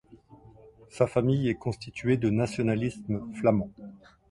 Sa famille est constituée de nationalistes flamands.